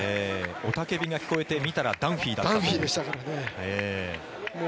雄たけびが聞こえて見てみたらダンフィーだったという。